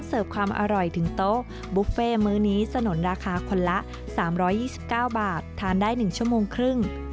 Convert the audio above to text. ความอร่อยถึงโต๊ะบุฟเฟ่มื้อนี้สนุนราคาคนละ๓๒๙บาททานได้๑ชั่วโมงครึ่ง